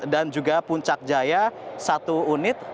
dan juga puncak jaya satu unit